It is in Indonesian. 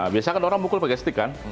biasakan orang bukul pakai stick kan